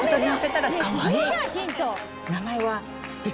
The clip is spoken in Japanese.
名前は。